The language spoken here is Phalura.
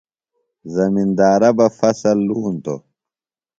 زمندارہ بہ فصۡل لونتوۡ۔